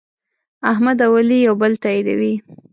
احمد او علي یو بل تأییدوي.